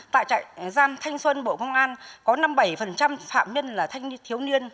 tại trại giam thanh xuân bộ công an có năm mươi bảy phạm nhân là thanh thiếu niên